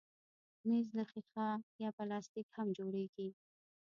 مېز له ښيښه یا پلاستیک هم جوړېږي.